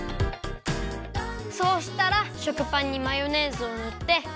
そうしたら食パンにマヨネーズをぬって。